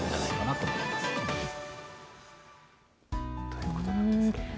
ということなんですけれども。